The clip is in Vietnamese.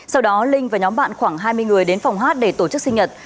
sau đó linh và nhóm bạn khoảng hai mươi người đến phòng hát để tổ chức sinh nhật